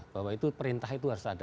bahwa itu perintah itu harus ada